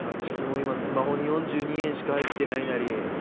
今スマホに４２円しか入ってないなり。